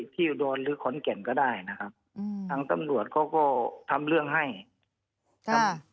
อุดรหรือขอนแก่นก็ได้นะครับอืมทางตำรวจเขาก็ทำเรื่องให้ครับ